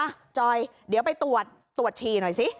จอยเดี๋ยวไปตรวจตรวจฉี่หน่อยสิ